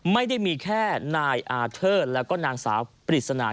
ไม่ได้มีแค่นายอาเทิร์ดแล้วก็นางสาวปริศนา